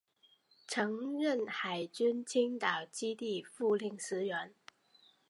曾任海军青岛基地副司令员。